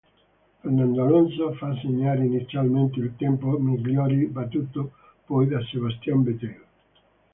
Fernando Alonso fa segnare inizialmente il tempo migliore, battuto poi da Sebastian Vettel.